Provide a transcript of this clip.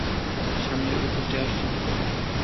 সামনের অফিসটায় আসছেন না কেন?